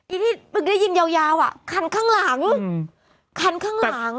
ที่ปึกได้ยินยาวอ่ะคันข้างหลังคันข้างหลัง